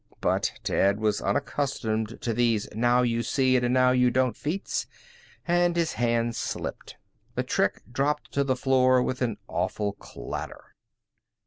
But Ted was unaccustomed to these now you see it and now you don't feats and his hand slipped. The trick dropped to the floor with an awful clatter.